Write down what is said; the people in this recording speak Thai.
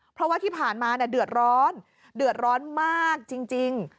เพราะว่าที่ผ่านมาเดือดร้อนเดือดร้อนมากจริง